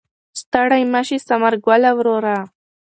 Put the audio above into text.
ستړی مه شې ثمر ګله وروره.